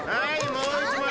もう一枚。